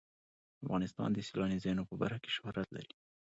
افغانستان د سیلاني ځایونو په برخه کې شهرت لري.